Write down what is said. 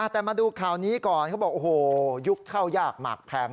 แต่มาดูข่าวนี้ก่อนเขาบอกโอ้โหยุคเข้ายากหมากแพง